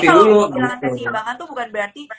jadi kalau hilang kesimbangan tuh bukan berarti